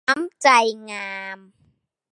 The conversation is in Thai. น้ำใจงาม